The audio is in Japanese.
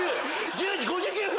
１０時５９分！